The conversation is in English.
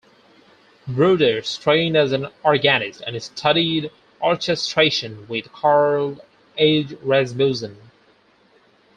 Ruders trained as an organist, and studied orchestration with Karl Aage Rasmussen.